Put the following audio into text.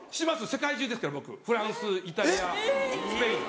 世界中ですから僕フランスイタリアスペイン。